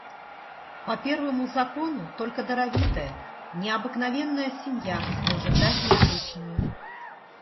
По первому закону только даровитая, необыкновенная семья может дать необычное.